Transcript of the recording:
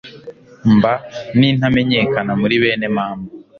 mba n'intamenyekana muri bene mama